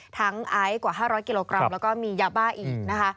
ทั้งไอซ์กว่า๕๐๐กิโลกรัมและมียาบ้าอีก